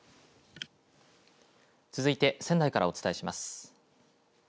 続いて仙台からお伝えします。